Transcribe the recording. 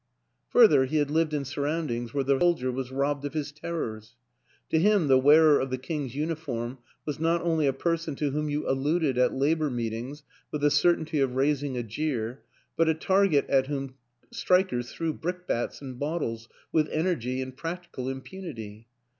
Further, he had lived in surroundings where the soldier was robbed of his terrors; to him the wearer of the king's uniform was not only a per son to whom you alluded at Labor meetings with the certainty of raising a jeer, but a target at whom strikers threw brickbats and bottles with energy and practical impunity.